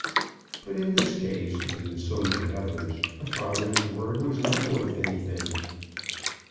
But in this case, as in so many others, a father's word was not worth anything.